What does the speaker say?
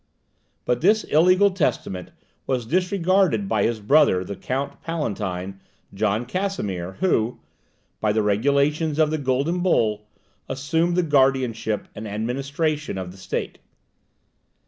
But this illegal testament was disregarded by his brother the Count Palatine, John Casimir, who, by the regulations of the Golden Bull, assumed the guardianship and administration of the state.